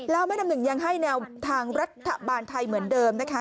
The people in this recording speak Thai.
เลขห้องกะต่อมา